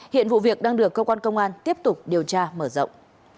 hiện vụ việc đang được công an tiếp tục điều tra mở rộng